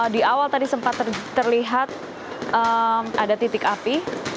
di awal tadi sempat terlihat ada titik api